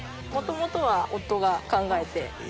もともとは夫が考えて。